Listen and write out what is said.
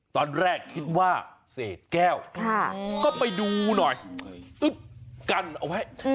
ตอนแรกคิดว่าเศษแก้วก็ไปดูหน่อยอึ๊บกันเอาไว้